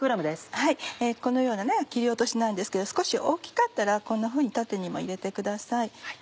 このような切り落としなんですけど少し大きかったらこんなふうに縦にも入れてください。